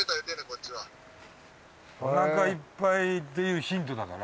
お腹いっぱいっていうヒントだから。